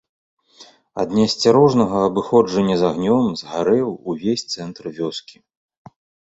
Ад неасцярожнага абыходжання з агнём згарэў увесь цэнтр вёскі.